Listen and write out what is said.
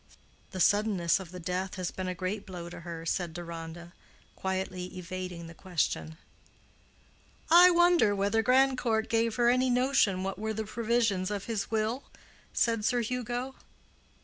"The suddenness of the death has been a great blow to her," said Deronda, quietly evading the question. "I wonder whether Grandcourt gave her any notion what were the provisions of his will?" said Sir Hugo.